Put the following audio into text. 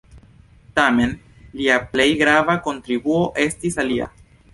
Tamen, lia plej grava kontribuo estis alia.